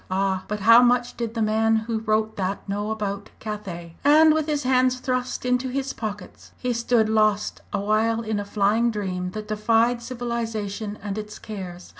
"Ah! but how much did the man who wrote that know about Cathay?" And with his hands thrust into his pockets, he stood lost awhile in a flying dream that defied civilisation and its cares.